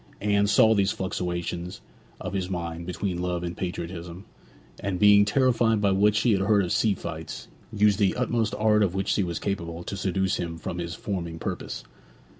Anne saw these fluctuations of his mind between love and patriotism, and being terrified by what she had heard of sea fights, used the utmost art of which she was capable to seduce him from his forming purpose.